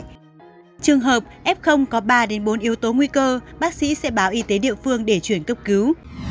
trường hợp f có ba bốn yếu tố nguy cơ bác sĩ sẽ báo y tế địa phương để chuyển cấp cứu